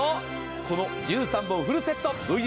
この１３本フルセット、Ｖｉ‐Ｑ